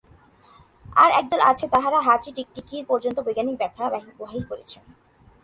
আর একদল আছেন, তাঁহারা হাঁচি-টিকটিকির পর্যন্ত বৈজ্ঞানিক ব্যাখ্যা বাহির করেন।